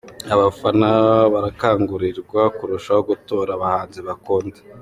Abafana barakangurirwa kurushaho gutora abahanzi bakunda.